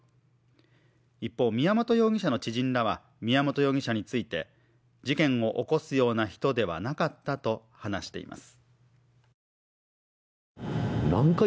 一方、宮本容疑者の知人らは宮本容疑者について事件を起こすような人ではなかったと話しています。